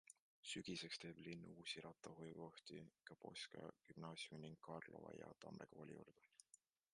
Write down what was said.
Sügiseks teeb linn uusi rattahoiukohti ka Poska gümnaasiumi ning Karlova ja Tamme kooli juurde.